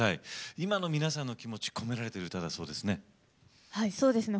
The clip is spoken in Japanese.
今の皆さんの気持ちを込められた歌だそうですね。